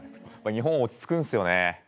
日本落ち着くんすよね。